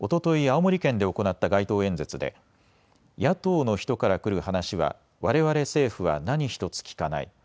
青森県で行った街頭演説で野党の人から来る話はわれわれ政府は何一つ聞かない。